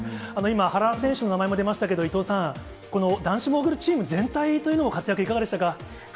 今、原選手の名前も出ましたけど、伊藤さん、男子モーグルチームの全体というものの活躍、いかがでしたか？